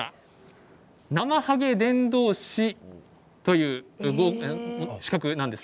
ナマハゲ伝道士という資格です。